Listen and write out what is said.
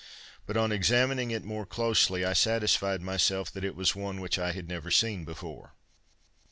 But, on examining it more closely, I satisfied myself that it was one which I had never seen before.